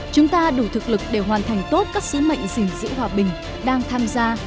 chúng ta đủ thực lực để hoàn thành tốt các sứ mệnh gìn giữ hòa bình đang tham gia